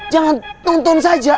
jangan tonton saja